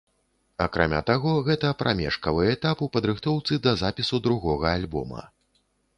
Акрамя таго, гэта прамежкавы этап у падрыхтоўцы да запісу другога альбома.